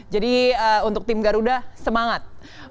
jadi untuk tim garuda semangat